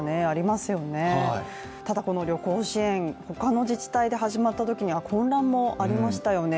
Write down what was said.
ただ、この旅行支援、他の自治体で始まったときには混乱がありましたよね。